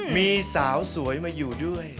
มีสาวสวยมาอยู่ด้วย